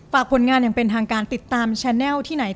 ผลงานอย่างเป็นทางการติดตามแชนแลลที่ไหน